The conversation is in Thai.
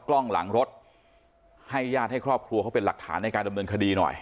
กล้องหลังรถให้ญาติให้ครอบครัวเขาเป็นหลักฐานในการดำเนินคดีหน่อย